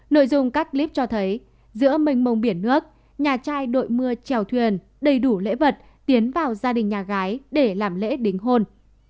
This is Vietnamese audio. nội dung các clip cho thấy giữa mênh mông biển nước nhà trai đội mưa trèo thuyền đầy đủ lễ vật tiến vào gia đình nhà gái để làm lễ đính hôn